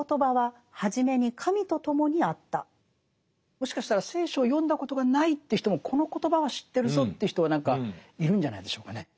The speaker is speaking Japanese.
もしかしたら聖書を読んだことがないという人もこの言葉は知ってるぞという人は何かいるんじゃないでしょうかね。